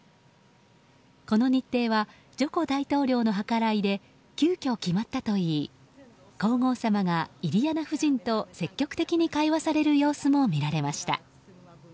この日程はジョコ大統領の計らいで急きょ決まったといい皇后さまがイリアナ夫人と積極的に会話される様子も見られました。